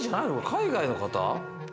海外の方？